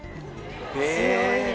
強いね！